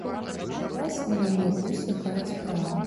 Да вас у мяне вось якая справа.